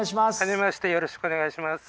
よろしくお願いします。